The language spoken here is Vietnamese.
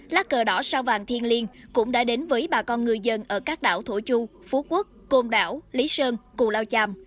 lá cờ đỏ sao vàng thiên liên cũng đã đến với bà con ngư dân ở các đảo thổ chu phú quốc côn đảo lý sơn cù lao chàm